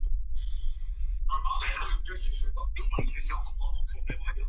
上野国馆林藩第一任藩主。